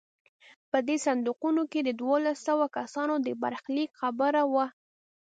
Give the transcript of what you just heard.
په دې صندوقونو کې د دولس سوه کسانو د برخلیک خبره وه.